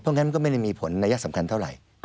เพราะฉะนั้นมันก็ไม่ได้มีผลนัยสำคัญเท่าไหร่